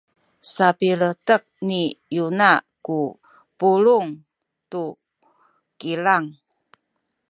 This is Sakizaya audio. sapiletek ni Yona ku pulung tu kilang.